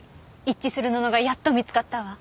一致する布がやっと見つかったわ。